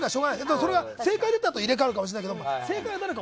それは正解が出たあと入れ替わるかもしれないけど。